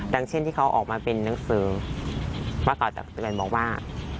ดังเช่นที่เขาออกมาเป็นนังสือว่าก่อจากแบบบอกว่า